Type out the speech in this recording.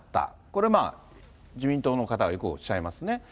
これまあ、自民党の方がよくおっしゃいますね。